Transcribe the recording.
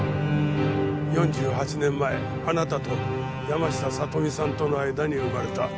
４８年前あなたと山下紗登美さんとの間に生まれた。